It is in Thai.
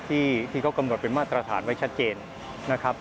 ที่เขากำหนดเป็นมาตรฐานไว้ชัดเจนนะครับ